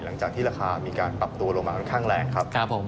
หลังจากที่ราคามีการปรับตัวลงมาค่อนข้างแรงครับผม